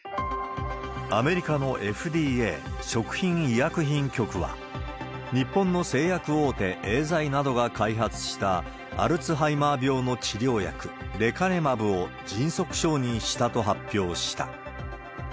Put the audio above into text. アメリカのＦＤＡ・食品医薬品局は、日本の製薬大手、エーザイなどが開発した、アルツハイマー病の治療薬、レカネマブを迅速承認したと発表した。